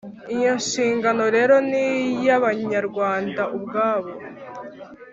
Iyo nshingano rero ni iy’Abanyarwanda ubwabo.